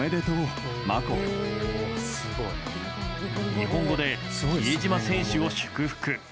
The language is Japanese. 日本語で比江島選手を祝福。